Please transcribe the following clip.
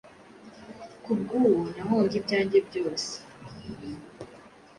Ku bw’uwo nahombye ibyange byose,